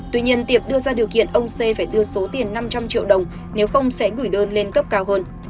tuy nhiên tiệp đưa ra điều kiện ông c phải đưa số tiền năm trăm linh triệu đồng nếu không sẽ gửi đơn lên cấp cao hơn